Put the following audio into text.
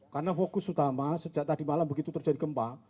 karena fokus utama sejak tadi malam begitu terjadi gempa